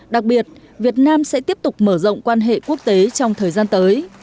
đặc biệt việt nam sẽ tiếp tục mở rộng quan hệ quốc tế trong thời gian tới